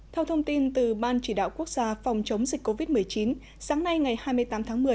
theo thông tin từ ban chỉ đạo quốc gia phòng chống dịch covid một mươi chín sáng nay ngày hai mươi tám tháng một mươi